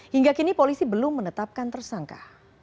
hingga kini polisi belum menetapkan tersangka